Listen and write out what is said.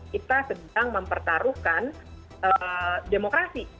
kita sedang mempertaruhkan demokrasi